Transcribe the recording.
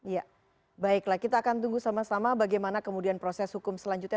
ya baiklah kita akan tunggu sama sama bagaimana kemudian proses hukum selanjutnya